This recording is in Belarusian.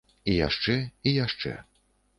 І яшчэ і яшчэ.